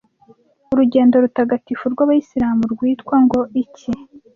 Urugendo rutagatifu rwabayisilamu rwitwa ngo iki?